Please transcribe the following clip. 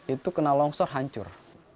itu kena longsor hancur